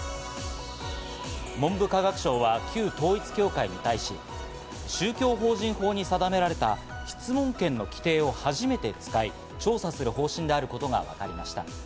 文部科学省は旧統一教会に対し、宗教法人法に定められた質問権の規定を初めて使い、調査する方針であることがわかりました。